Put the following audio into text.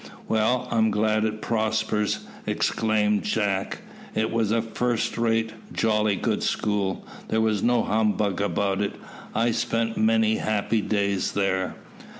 "Well, I'm glad it prospers," exclaimed Jack. "It was a first rate, jolly good school; there was no humbug about it. I spent many happy days there."